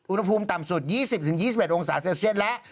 อุณหภูมิต่ำสุด๒๐๒๑องศาเซลเซียตแล้ว